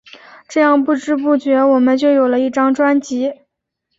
这样不知不觉我们就有了一张专辑。